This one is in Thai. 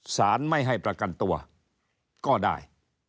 สารไม่ให้ประกันตัวก็ได้